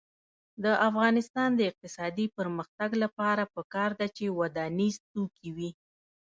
د افغانستان د اقتصادي پرمختګ لپاره پکار ده چې ودانیز توکي وي.